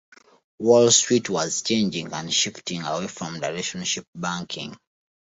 Wall Street was changing and shifting away from relationship banking.